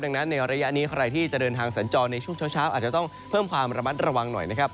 ดังนั้นในระยะนี้ใครที่จะเดินทางสัญจรในช่วงเช้าอาจจะต้องเพิ่มความระมัดระวังหน่อยนะครับ